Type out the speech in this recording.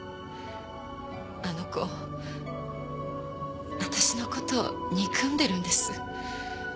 あの子私のこと憎んでるんです。